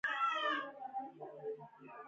په دې ترتیب د تولیدونکي کار ټولنیزه ځانګړتیا لري